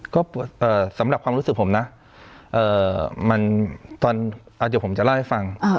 ก็สำหรับความรู้สึกผมนะมันตอนเดี๋ยวผมจะเล่าให้ฟัง